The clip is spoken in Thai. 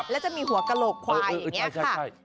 แล้วจะมีหัวกระโหลกควายอย่างนี้ค่ะ